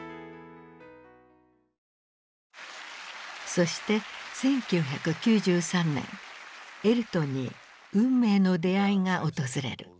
そして１９９３年エルトンに運命の出会いが訪れる。